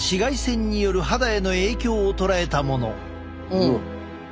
うん。